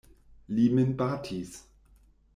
Li min batis.